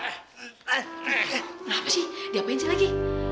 kenapa sih diapain sih lagi